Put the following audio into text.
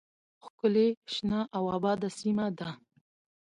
، ښکلې، شنه او آباده سیمه ده.